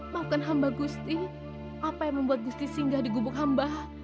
maafkan hamba gusti apa yang membuat gusti singgah di gubuk hamba